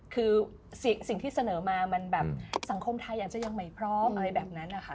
คือสิ่งที่เสนอมามันแบบสังคมไทยอาจจะยังไม่พร้อมอะไรแบบนั้นนะคะ